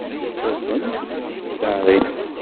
Ṣubbent tiseddaṛin.